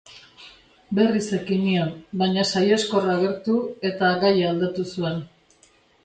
Berriz ekin nion, baina saiheskor agertu, eta gaia aldatu zuen.